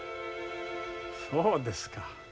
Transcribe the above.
そうですか。